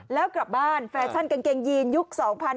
แล้วกลับบ้านแฟชั่นกางเกงยีนยุค๒๕๖๒